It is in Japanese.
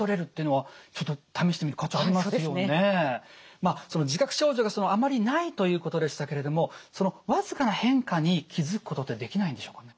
まあ自覚症状があまりないということでしたけれども僅かな変化に気付くことってできないんでしょうかね？